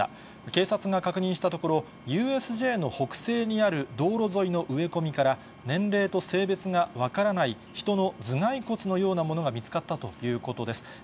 警察が確認したところ、ＵＳＪの北西にある道路沿いの植え込みから、年齢と性別が分からない人の頭蓋骨のようなものが見つかったということです。